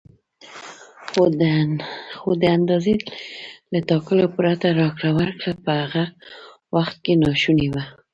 خو د اندازې له ټاکلو پرته راکړه ورکړه په هغه وخت کې ناشونې وه.